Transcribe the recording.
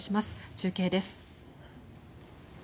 中継です。